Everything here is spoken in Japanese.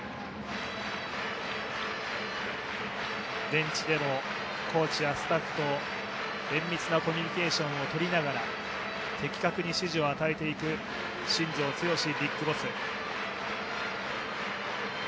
ベンチでコーチやスタッフと綿密なコミュニケーションをとりながら的確に指示を与えていく新庄剛志